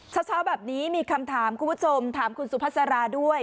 เช้าแบบนี้มีคำถามคุณผู้ชมถามคุณสุภาษาราด้วย